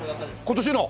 今年の？